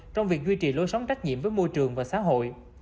trong việc duy trì lối sống trách nhiệm với môi trường và xã hội